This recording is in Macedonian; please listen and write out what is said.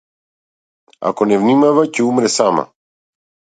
Ако не внимава ќе умре сама.